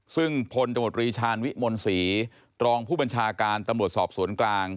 ซึ่งพลตมตรีชาญวิมลศรีรองผู้บัญชาการตำรวจสอบสวนกลาง